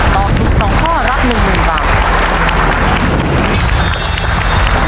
ตอบถูก๒ข้อรับ๑๐๐๐บาท